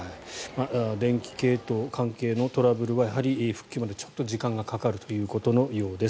電気関係のトラブルはやはり復旧までちょっと時間がかかるということのようです。